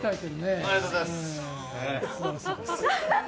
ありがとうございます。